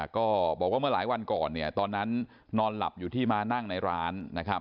ก็บอกว่าเมื่อหลายวันก่อนตอนนั้นนอนหลับอยู่ที่มานั่งในร้าน